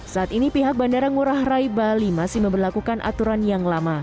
saat ini pihak bandara ngurah rai bali masih memperlakukan aturan yang lama